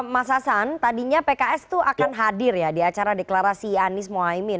mas hasan tadinya pks itu akan hadir ya di acara deklarasi anies mohaimin